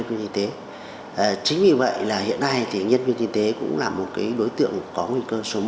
các bệnh nhân cũng là một đối tượng có nguy cơ số một